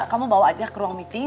kamu bawa aja ke ruang meeting